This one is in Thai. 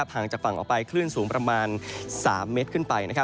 ห่างจากฝั่งออกไปคลื่นสูงประมาณ๓เมตรขึ้นไป